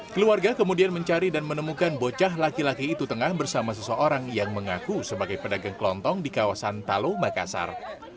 keluarga kemudian mencari dan menemukan bocah laki laki itu tengah bersama seseorang yang mengaku sebagai pedagang kelontong di kawasan talo makassar